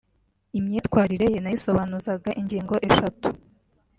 Imyitwarire ye nayisobanuzaga ingingo eshatu